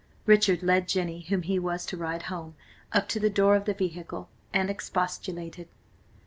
Richard led Jenny, whom he was to ride home, up to the door of the vehicle, and expostulated.